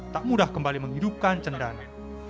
tak mudah kembali menghidupkan cendana